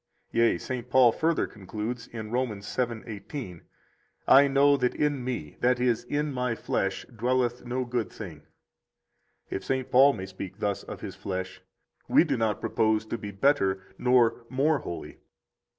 Yea, St. Paul further concludes in Rom. 7:18: I know that in me, that is, in my flesh, dwelleth no good thing. If St. Paul may speak thus of his flesh, we do not propose to be better nor more holy.